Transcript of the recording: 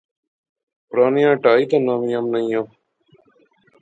پرانیاں ٹہائی تے نویاں بنایاں